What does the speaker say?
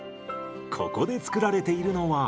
ここで作られているのは。